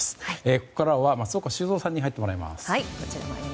ここからは松岡修造さんに入ってもらいます。